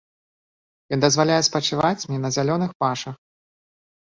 Ён дазваляе спачываць мне на зялёных пашах.